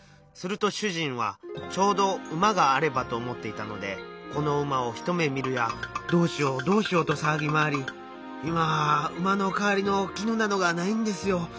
すると主人はちょうど馬があればと思っていたのでこの馬を一目見るや「どうしようどうしよう」とさわぎ回り「今は馬のかわりの絹などがないんですよ。